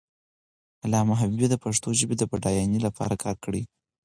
علامه حبیبي د پښتو ژبې د بډاینې لپاره کار کړی دی.